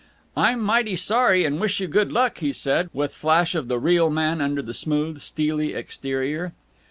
"I'm mighty sorry, and I wish you good luck," he said, with flash of the real man under the smooth, steely exterior.